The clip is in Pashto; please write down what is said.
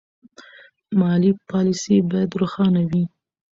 مالي پالیسي باید روښانه وي.